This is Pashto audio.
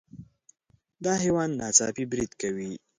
دا حیوان ناڅاپي برید کوي.